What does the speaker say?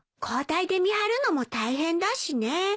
交代で見張るのも大変だしね。